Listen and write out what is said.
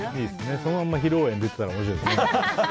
そのまんま披露宴出ていたら面白いですね。